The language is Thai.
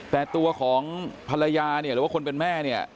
แต่ตัวของภรรยาเนี่ยหรือว่าคนเป็นแม่เนี่ย